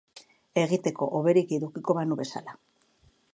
Egiteko hoberik edukiko banu bezala.